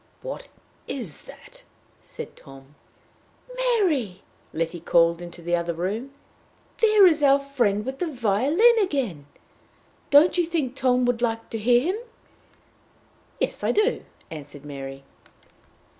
"What is that?" said Tom. "Mary!" Letty called into the other room, "there is our friend with the violin again! Don't you think Tom would like to hear him?" "Yes, I do," answered Mary.